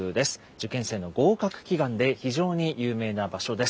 受験生の合格祈願で非常に有名な場所です。